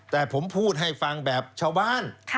แต่ผมพูดให้ฟังแบบชาวบ้าน